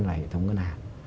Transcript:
là hệ thống ngân hạn